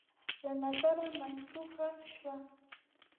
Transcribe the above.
له نظره منسوخه شوه